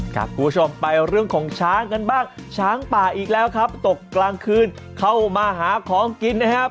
คุณผู้ชมไปเรื่องของช้างกันบ้างช้างป่าอีกแล้วครับตกกลางคืนเข้ามาหาของกินนะครับ